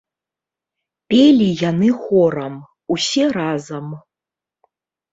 Пелі яны хорам, усе разам.